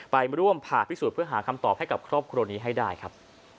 ไปร่วมผ่าพิสูจน์เพื่อหาคำตอบให้กับครอบครัวนี้ให้ได้ครับ